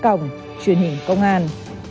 a cổng truyện hình công an